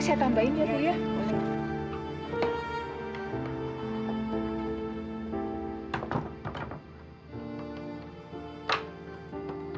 saya tambahin dia tuh ya